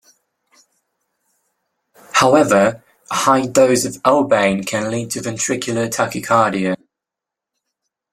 However, a high dose of ouabain can lead to ventricular tachycardia.